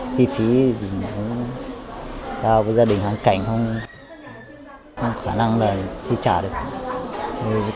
chi phí thì cao với gia đình hãng cảnh không có khả năng là chi trả được